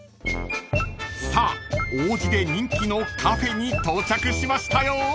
［さあ王子で人気のカフェに到着しましたよ］